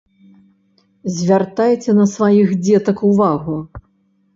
Звяртайце на сваіх дзетак увагу!